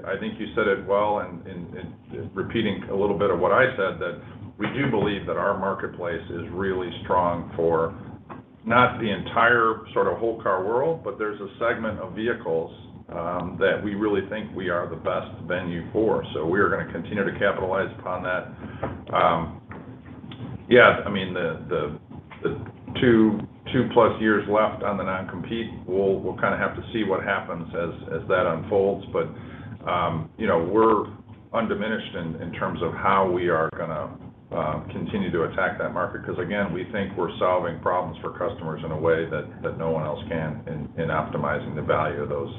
I think you said it well in repeating a little bit of what I said, that we do believe that our marketplace is really strong for not the entire sort of whole car world, but there's a segment of vehicles that we really think we are the best venue for. We are gonna continue to capitalize upon that. Yeah, I mean, the 2+ years left on the non-compete, we'll kind of have to see what happens as that unfolds. You know, we're undiminished in terms of how we are gonna continue to attack that market. 'Cause again, we think we're solving problems for customers in a way that no one else can in optimizing the value of those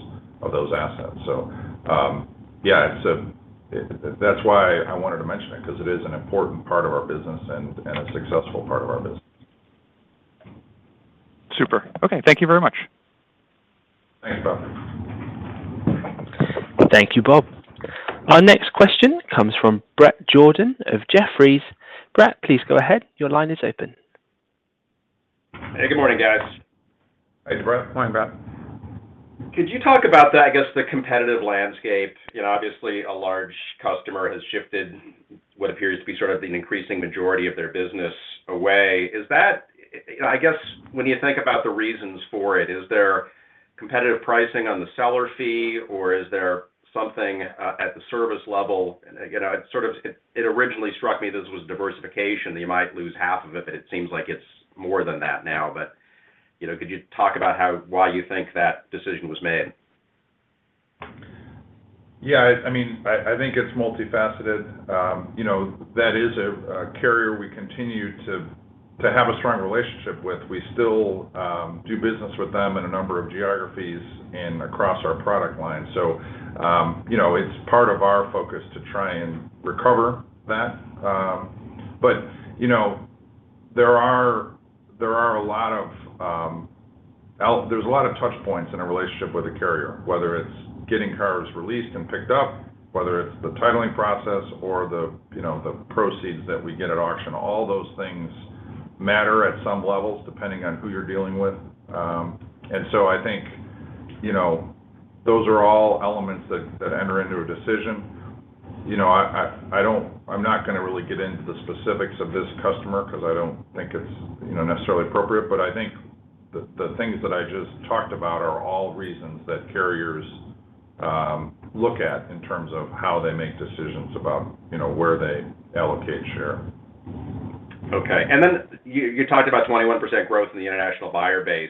assets. Yeah, that's why I wanted to mention it, 'cause it is an important part of our business and a successful part of our business. Super. Okay. Thank you very much. Thanks, Bob. Thank you, Bob. Our next question comes from Bret Jordan of Jefferies. Bret, please go ahead. Your line is open. Hey, good morning, guys. Hey, Bret. Morning, Bret. Could you talk about the, I guess, the competitive landscape? You know, obviously a large customer has shifted what appears to be sort of an increasing majority of their business away. Is that? I guess when you think about the reasons for it, is there competitive pricing on the seller fee, or is there something at the service level? Again, I sort of. It originally struck me this was diversification, that you might lose half of it, but it seems like it's more than that now. You know, could you talk about why you think that decision was made? Yeah. I mean, I think it's multifaceted. You know, that is a carrier we continue to have a strong relationship with. We still do business with them in a number of geographies and across our product line. You know, it's part of our focus to try and recover that. You know, there are a lot of touch points in a relationship with a carrier, whether it's getting cars released and picked up, whether it's the titling process or the, you know, the proceeds that we get at auction. All those things matter at some levels, depending on who you're dealing with. I think, you know, those are all elements that enter into a decision. You know, I'm not gonna really get into the specifics of this customer 'cause I don't think it's, you know, necessarily appropriate. I think the things that I just talked about are all reasons that carriers look at in terms of how they make decisions about, you know, where they allocate share. Okay. Then you talked about 21% growth in the international buyer base.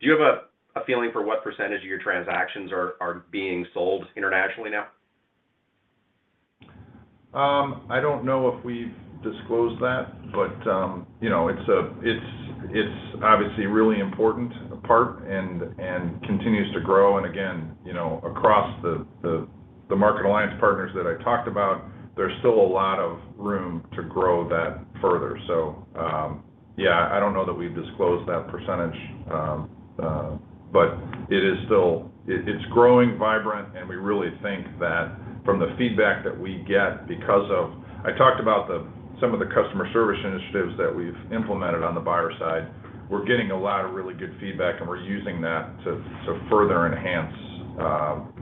Do you have a feeling for what percentage of your transactions are being sold internationally now? I don't know if we've disclosed that, but you know, it's obviously a really important part and continues to grow. Again, you know, across the market alliance partners that I talked about, there's still a lot of room to grow that further. Yeah, I don't know that we've disclosed that percentage, but it is still growing vibrant, and we really think that from the feedback that we get because I talked about some of the customer service initiatives that we've implemented on the buyer side. We're getting a lot of really good feedback, and we're using that to further enhance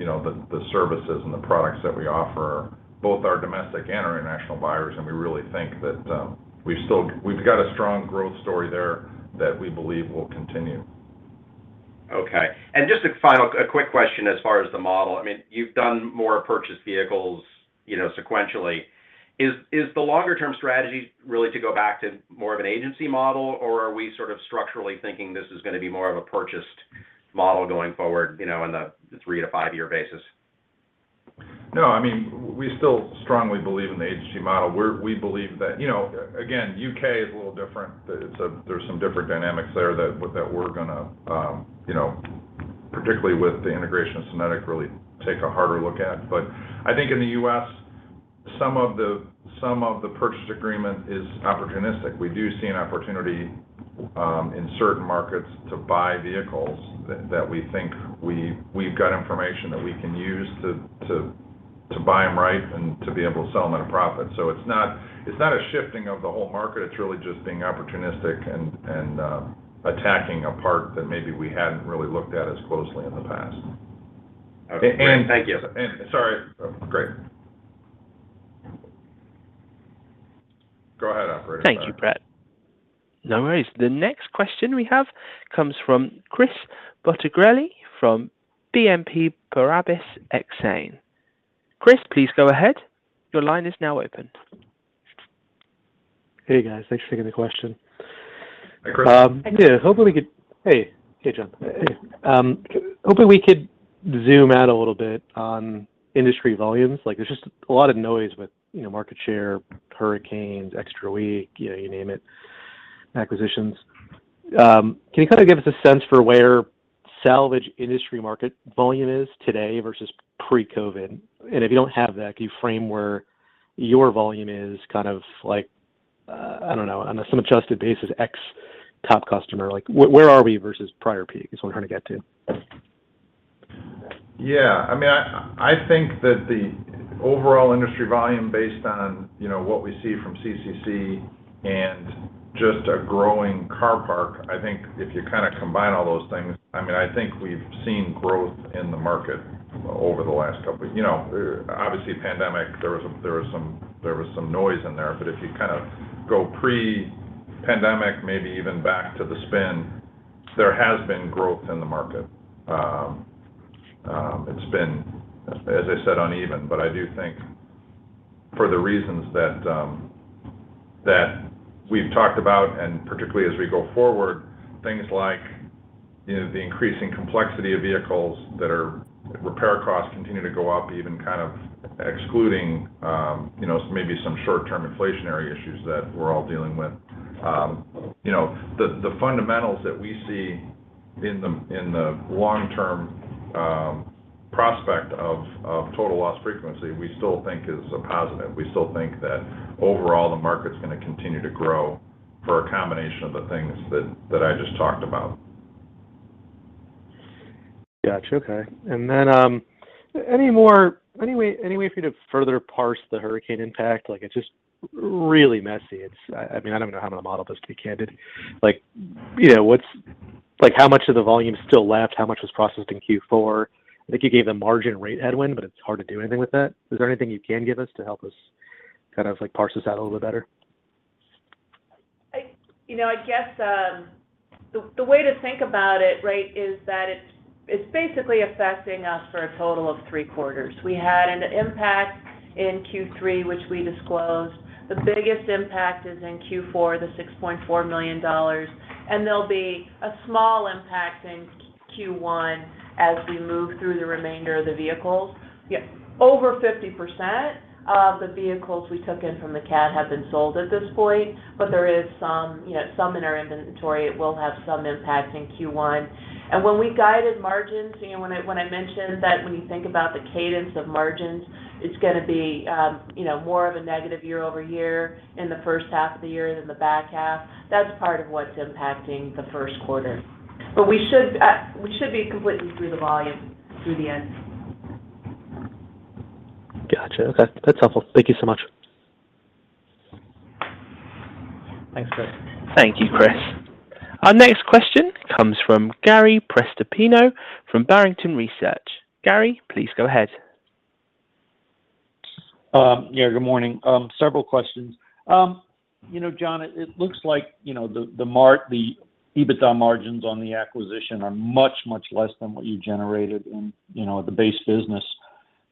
you know, the services and the products that we offer both our domestic and our international buyers. We really think that we've got a strong growth story there that we believe will continue. Okay. Just a quick question as far as the model. I mean, you've done more purchased vehicles, you know, sequentially. Is the longer term strategy really to go back to more of an agency model, or are we sort of structurally thinking this is gonna be more of a purchased model going forward, you know, in the three-five-year basis? No. I mean, we still strongly believe in the agency model. We believe that. You know, again, the U.K. is a little different. There's some different dynamics there that we're gonna, you know, particularly with the integration of SYNETIQ, really take a harder look at. But I think in the U.S., some of the purchase agreement are opportunistic. We do see an opportunity in certain markets to buy vehicles that we think we've got information that we can use to buy them right and to be able to sell them at a profit. So it's not a shifting of the whole market. It's really just being opportunistic and attacking a part that maybe we hadn't really looked at as closely in the past. Okay. Thank you. Sorry. Go ahead. Go ahead, operator. Sorry. Thank you, Bret. No worries. The next question we have comes from Chris Bottiglieri from BNP Paribas Exane. Chris, please go ahead. Your line is now open. Hey, guys. Thanks for taking the question. Hey, Chris. Um. Hey. Hey, John. Hey. Hopefully we could zoom out a little bit on industry volumes. Like, there's just a lot of noise with, you know, market share, hurricanes, extra week, you know, you name it, acquisitions. Can you kind of give us a sense for where salvage industry market volume is today versus pre-COVID? If you don't have that, can you frame where your volume is kind of like, I don't know, on some adjusted basis, ex top customer? Like, where are we versus prior peak is what we're trying to get to. Yeah. I mean, I think that the overall industry volume based on, you know, what we see from CCC and just a growing car park, I think if you kind of combine all those things, I mean, I think we've seen growth in the market over the last couple. You know, obviously a pandemic, there was some noise in there. But if you kind of go pre-pandemic, maybe even back to the spin, there has been growth in the market. It's been, as I said, uneven. But I do think for the reasons that we've talked about, and particularly as we go forward, things like, you know, the increasing complexity of vehicles that our repair costs continue to go up even kind of excluding, you know, maybe some short-term inflationary issues that we're all dealing with. You know, the fundamentals that we see in the long-term prospect of total loss frequency, we still think is a positive. We still think that overall the market's gonna continue to grow for a combination of the things that I just talked about. Gotcha. Okay. Any way for you to further parse the hurricane impact? Like, it's just really messy. I mean, I don't even know how I'm gonna model this to be candid. Like, you know, what's like, how much of the volume's still left? How much was processed in Q4? I think you gave the margin rate headwind, but it's hard to do anything with that. Is there anything you can give us to help us kind of like parse this out a little bit better? You know, I guess, the way to think about it, right, is that it's basically affecting us for a total of three quarters. We had an impact in Q3, which we disclosed. The biggest impact is in Q4, the $6.4 million, and there'll be a small impact in Q1 as we move through the remainder of the vehicles. Yeah, over 50% of the vehicles we took in from the CAT have been sold at this point, but there is some, you know, in our inventory. It will have some impact in Q1. When we guided margins, you know, when I mentioned that when you think about the cadence of margins, it's gonna be, you know, more of a negative year-over-year in the first half of the year than the back half. That's part of what's impacting the first quarter. We should be completely through the volume through the end. Gotcha. Okay. That's helpful. Thank you so much. Thanks, Chris. Thank you, Chris. Our next question comes from Gary Prestopino from Barrington Research. Gary, please go ahead. Yeah, good morning. Several questions. You know, John, it looks like, you know, the EBITDA margins on the acquisition are much less than what you generated in, you know, the base business.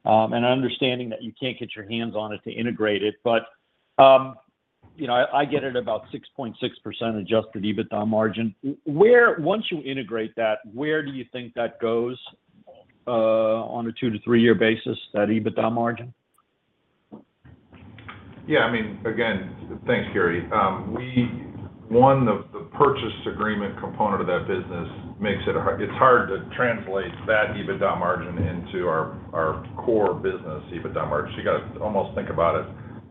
Understanding that you can't get your hands on it to integrate it, but, you know, I get it about 6.6% adjusted EBITDA margin. Once you integrate that, where do you think that goes, on a two-three-year basis, that EBITDA margin? Yeah, I mean, again, thanks, Gary. One, the purchase agreement component of that business makes it hard to translate that EBITDA margin into our core business EBITDA margin. So you gotta almost think about it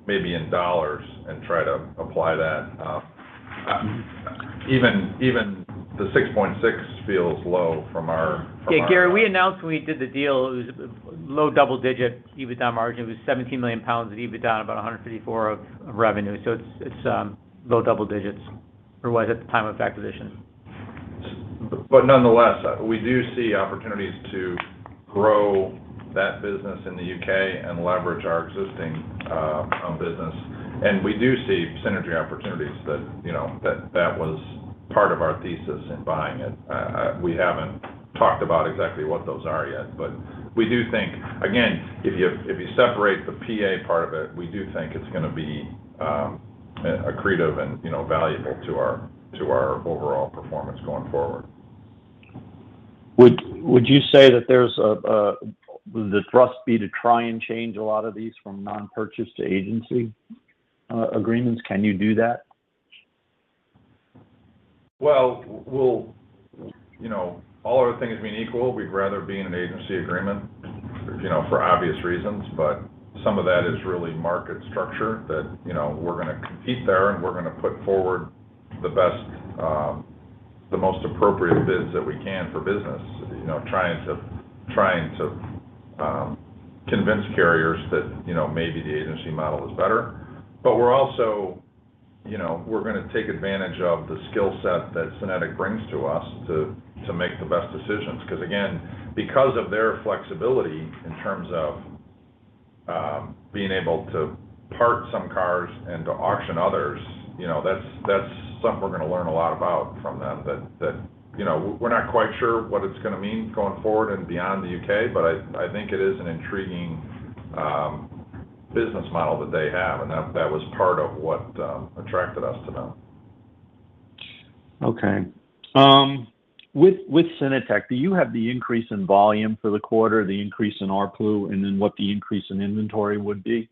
maybe in dollars and try to apply that. Even the $6.6 million feels low from our, from our. Gary, we announced when we did the deal, it was low double digit EBITDA margin. It was 17 million pounds of EBITDA, about 154 million of revenue. Low double digits, or was at the time of acquisition. Nonetheless, we do see opportunities to grow that business in the U.K. and leverage our existing business. We do see synergy opportunities that, you know, that was part of our thesis in buying it. We haven't talked about exactly what those are yet, but we do think, again, if you separate the PA part of it, we do think it's gonna be accretive and, you know, valuable to our overall performance going forward. Would you say that, would the thrust be to try and change a lot of these from non-purchase to agency agreements? Can you do that? You know, all other things being equal, we'd rather be in an agency agreement, you know, for obvious reasons, but some of that is really market structure that, you know, we're gonna compete there, and we're gonna put forward the best, the most appropriate bids that we can for business. You know, trying to convince carriers that, you know, maybe the agency model is better. But we're also, you know, we're gonna take advantage of the skill set that SYNETIQ brings to us to make the best decisions. 'Cause again, because of their flexibility in terms of being able to part some cars and to auction others, you know, that's something we're gonna learn a lot about from them. That, you know, we're not quite sure what it's gonna mean going forward and beyond the U.K., but I think it is an intriguing business model that they have, and that was part of what attracted us to them. Okay. With SYNETIQ, do you have the increase in volume for the quarter, the increase in ARPU, and then what the increase in inventory would be?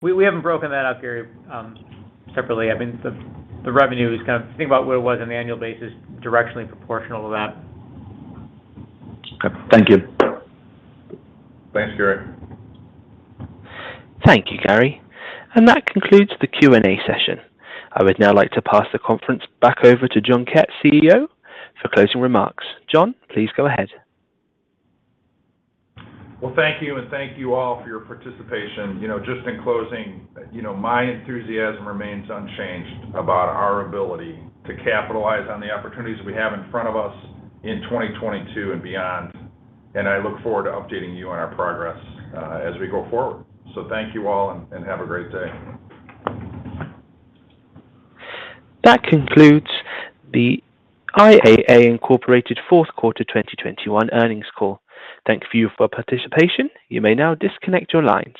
We haven't broken that up, Gary, separately. I mean, the revenue is kind of. Think about what it was on an annual basis, directionally proportional to that. Okay. Thank you. Thanks, Gary. Thank you, Gary. That concludes the Q&A session. I would now like to pass the conference back over to John Kett, CEO, for closing remarks. John, please go ahead. Well, thank you, and thank you all for your participation. You know, just in closing, you know, my enthusiasm remains unchanged about our ability to capitalize on the opportunities we have in front of us in 2022 and beyond, and I look forward to updating you on our progress as we go forward. Thank you all, and have a great day. That concludes the IAA, Inc. fourth quarter 2021 earnings call. Thank you for your participation. You may now disconnect your lines.